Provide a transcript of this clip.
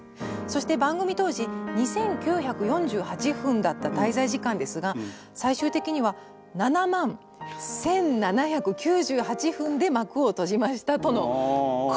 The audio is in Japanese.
「そして番組当時２，９４８分だった滞在時間ですが最終的には７万１，７９８分で幕を閉じました」とのことです。